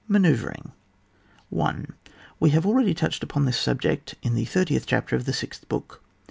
MANOEUVRING. 1. "We have already touched upon this subject in the thirtieth chapter of the sixth book.